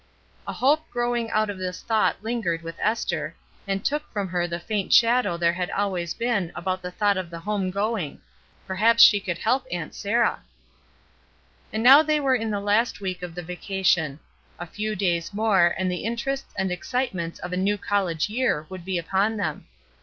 A hope growing out of this thought lingered with Esther, and took from her the faint shadow 250 ESTER RIED^S NAMESAKE there had always been about the thought of the home going. Perhaps she could help Aunt Sarah. And now they were in the last week of the vacation. A few days more and the interests and excitements of a new college year would be upon them.